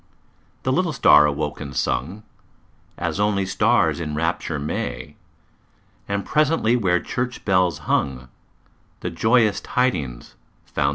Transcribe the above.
The little star awoke and sung As only stars in rapture may, And presently where church bells hung The joyous tidings found their way.